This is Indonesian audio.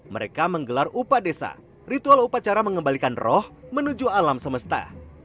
mereka menggelar upadesa ritual upacara mengembalikan roh menuju alam semesta